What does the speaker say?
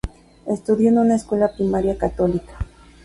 Estudió en una escuela primaria católica.